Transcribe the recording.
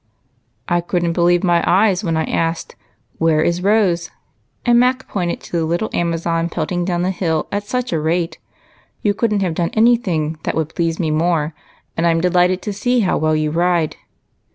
" I could n't believe my eyes when I asked ' Where is Rose ?' and Mac pointed to the little Amazon pelt ing down the hill at such a rate. You could n't have done any thing that would please me more, and I 'm delighted to see how well you ride.